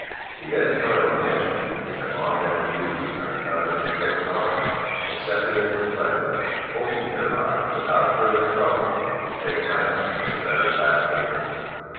The editorial management, which had long been abused on account of its red colour, accepted it with pleasure, hoping thereby, without further trouble, to take rank as a better class paper.